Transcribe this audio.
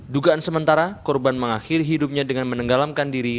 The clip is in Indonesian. dugaan sementara korban mengakhiri hidupnya dengan menenggalamkan diri